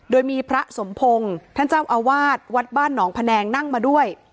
โดยมีพระสมพงศ์ท่านเจ้าอาวาสวัดบ้านหนองพะแนงนั่งมาด้วย